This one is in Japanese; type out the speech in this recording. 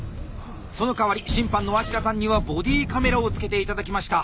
そのかわり審判の秋田さんにはボディーカメラを着けて頂きました。